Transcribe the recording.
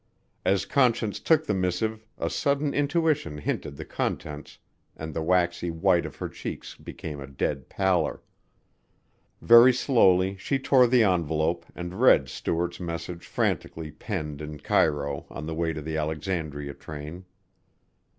As Conscience took the missive a sudden intuition hinted the contents and the waxy white of her cheeks became a dead pallor. Very slowly she tore the envelope and read Stuart's message frantically penned in Cairo on the way to the Alexandria train.